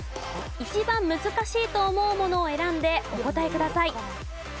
一番難しいと思うものを選んでお答えください。